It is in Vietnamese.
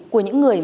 của những người